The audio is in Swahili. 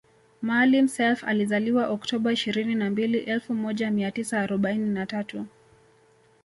Maalim Self alizaliwa oktoba ishirini na mbili elfu moja mia tisa arobaini na tatu